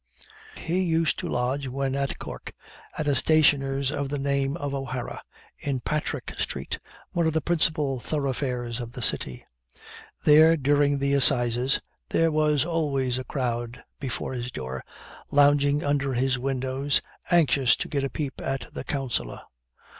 He used to lodge, when at Cork, at a stationer's of the name of O'Hara, in Patrick street, one of the principal thoroughfares of the city. There, during the Assizes, there was always a crowd before his door, lounging under his windows, anxious to get a peep at the Counsellor.